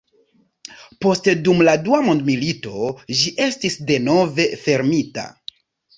Poste dum la dua mondmilito ĝi estis denove fermita.